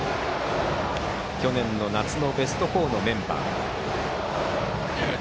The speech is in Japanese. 去年の夏のベスト４のメンバー。